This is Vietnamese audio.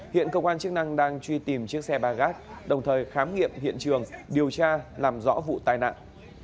hiện công an chức năng đang truy tìm chiếc xe bagat đồng thời khám nghiệm hiện trường điều tra làm rõ vụ tai nạn